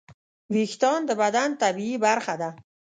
وېښتيان د بدن طبیعي برخه ده.